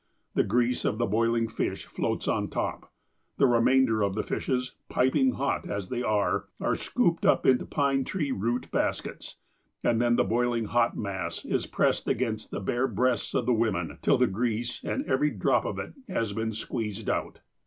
The grease of the boiling fish floats on top. The remainder of the fishes, piping hot as they are, are scooped up into pine tree root baskets, and then the boiling hot mass is pressed against the bare breasts of the women, till the grease, and every drop of it, has been squeezed out.